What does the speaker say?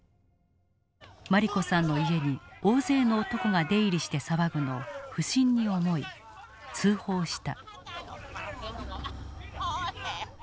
茉莉子さんの家に大勢の男が出入りして騒ぐのを不審に思い通報した。